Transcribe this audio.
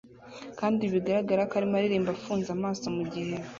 kandi bigaragara ko arimo aririmba afunze amaso mugihe